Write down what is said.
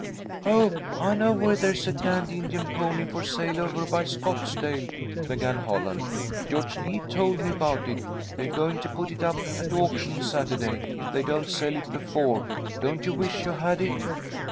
"Oh, I know where there's a dandy Indian pony for sale over by Scottsdale," began Holland. "George Lee told me about it. They're going to put it up at auction Saturday, if they don't sell it before. Don't you wish you had it?"